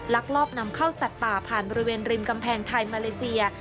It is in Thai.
ลักลอบนำเข้าสัตว์ป่าผ่านบริเวณริมกำแพงไทยมาเลเซีย